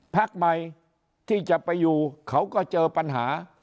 พักใหม่ที่จะไปอยู่เขาก็เจอปัญหา